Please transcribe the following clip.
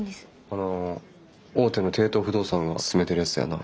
あの大手の帝都不動産が進めてるやつだよな？